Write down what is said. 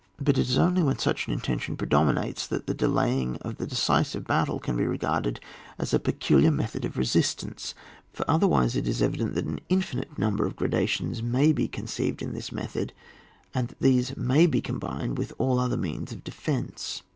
But it is only when such an in tention predominates that the delaying of the decisive battle can be regarded as a, peculiar method of resistance; for other wise it is evident that an infinite number of gradations may be conceived in this mediod, and that these may be combined with all other means of defence.